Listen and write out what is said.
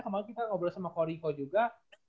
kemarin kita ngobrol sama kak rico juga